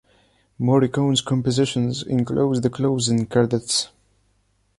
Morricone’s compositions enclose the closing credits